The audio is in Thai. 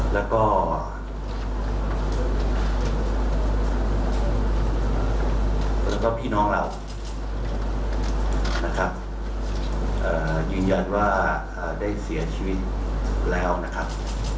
แล้วก็พี่น้องเรานะครับยืนยันว่าได้เสียชีวิตแล้วนะครับ